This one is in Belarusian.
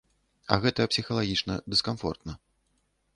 А гэта псіхалагічна дыскамфортна.